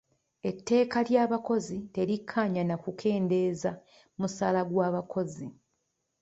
Etteeka ly'abakozi terikkaanya na kukendeeza musaala gw'abakozi.